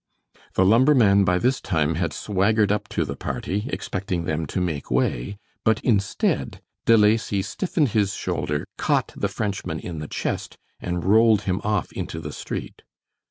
The lumberman by this time had swaggered up to the party, expecting them to make way, but instead, De Lacy stiffened his shoulder, caught the Frenchman in the chest, and rolled him off into the street.